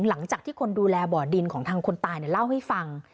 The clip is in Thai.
หลังจากที่คนดูแลบ่อดินของทางคนตายเล่าให้ฟัง